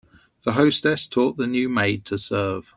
The hostess taught the new maid to serve.